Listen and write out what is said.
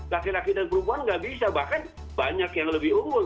laki laki dan perempuan nggak bisa bahkan banyak yang lebih unggul